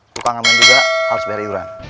suka ngamen juga harus bayar iuran